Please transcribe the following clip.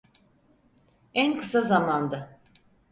En kısa zamanda.